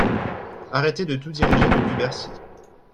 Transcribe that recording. Arrêtez de tout diriger depuis Bercy.